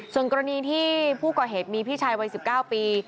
ส่วนกรณีที่ผู้ก่อเหตุมีพี่ชายวัย๑๙ปี